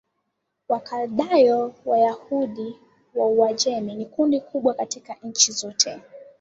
Wakaldayo Wayahudi wa Uajemi ni kundi kubwa kati ya nchi zote